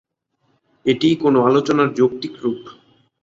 এটিই কোন আলোচনার যৌক্তিক রূপ।